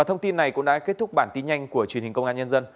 thông tin này cũng đã kết thúc bản tin nhanh của truyền hình công an nhân dân